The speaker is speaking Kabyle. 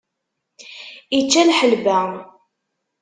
Ičča lḥelba.